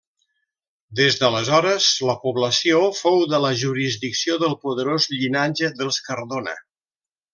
Des d'aleshores la població fou de la jurisdicció del poderós llinatge dels Cardona.